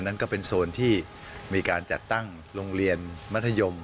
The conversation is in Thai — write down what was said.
นั้นก็เป็นโซนที่มีการจัดตั้งโรงเรียนมัธยม